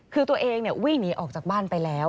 คือตัวเองวิ่งหนีออกจากบ้านไปแล้ว